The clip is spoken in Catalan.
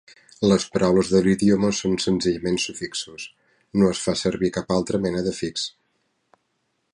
Les paraules de l'idioma són senzillament sufixos; no es fa servir cap altra mena d'afix.